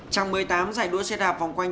trong một mươi tám giải đua xe đạp vòng quanh